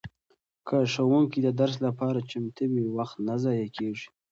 که ښوونکی د درس لپاره چمتو وي وخت نه ضایع کیږي.